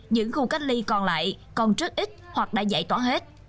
những khu cách ly còn lại còn rất ít hoặc đã giải tỏa hết